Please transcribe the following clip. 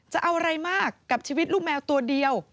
จะเอาอะไรมากกับชีวิตลูกแมวตัวเดียว